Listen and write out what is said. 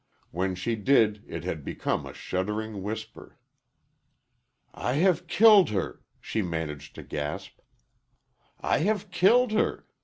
When she did, it had become a shuddering whisper. "I have killed her!" she managed to gasp. "I have killed her!